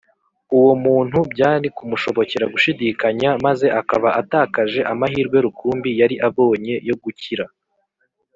. Uwo muntu byari kumushobokera gushidikanya maze akaba atakaje amahirwe rukumbi yari abonye yo gukira